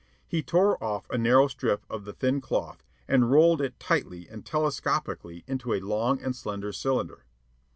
He tore off a narrow strip of the thin cloth and rolled it tightly and telescopically into a long and slender cylinder.